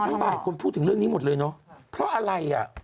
แต่ตอนนี้ทางบ้านคนพูดถึงเรื่องนี้หมดเลยเนาะเพราะอะไรอะ